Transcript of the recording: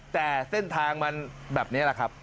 แต่เส้นทางมันแบบนี้แหละครับ